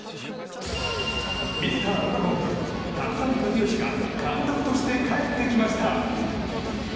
ミスタードラゴンズ立浪和義が監督として帰ってきました。